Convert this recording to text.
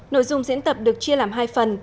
nội dung diễn tập được chia làm hai phần